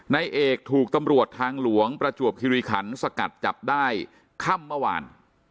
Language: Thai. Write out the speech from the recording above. นายเอกถูกตำรวจทางหลวงประจวบคิริขันสกัดจับได้ค่ำเมื่อวาน